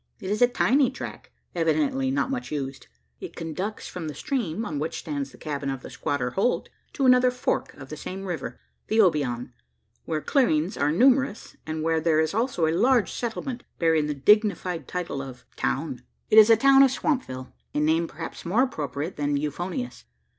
It is a tiny track, evidently not much used. It conducts from the stream on which stands the cabin of the squatter Holt, to another "fork" of the same river the Obion where clearings are numerous, and where there is also a large settlement bearing the dignified title of "town." It is the town of Swampville a name perhaps more appropriate than euphonious.